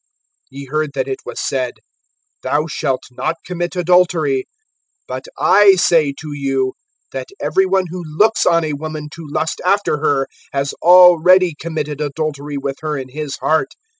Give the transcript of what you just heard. (27)Ye heard that it was said: Thou shalt not commit adultery. (28)But I say to you, that every one who looks on a woman, to lust after her, has already committed adultery with her in his heart.